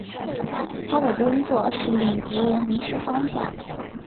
他的工作是令敌人迷失方向。